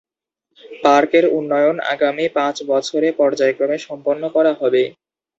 পার্কের উন্নয়ন আগামী পাঁচ বছরে পর্যায়ক্রমে সম্পন্ন করা হবে।